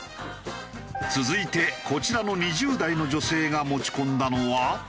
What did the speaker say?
続いてこちらの２０代の女性が持ち込んだのは。